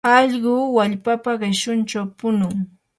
allqu wallpapa qishunchaw punun.